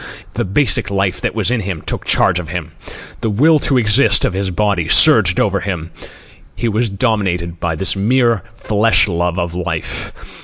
The basic life that was in him took charge of him. The will to exist of his body surged over him. He was dominated by this mere flesh love of life.